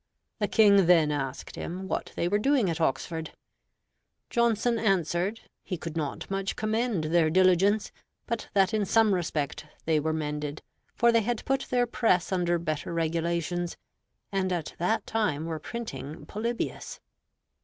The King then asked him what they were doing at Oxford. Johnson answered, he could not much commend their diligence, but that in some respect they were mended, for they had put their press under better regulations, and at that time were printing Polybius.